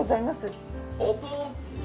オープン。